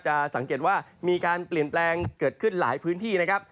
สังเกตว่ามีการเปลี่ยนแปลงเกิดขึ้นหลายพื้นที่นะครับ